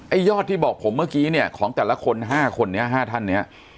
ยอดที่บอกผมเมื่อกี้เนี่ยของแต่ละคน๕คนนี้๕ท่านเนี่ย